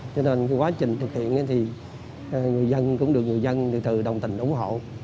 cho nên quá trình thực hiện thì người dân cũng được người dân địa từ đồng tình ủng hộ